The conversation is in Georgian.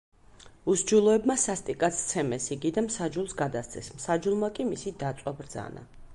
უსჯულოებმა სასტიკად სცემეს იგი და მსაჯულს გადასცეს, მსაჯულმა კი მისი დაწვა ბრძანა.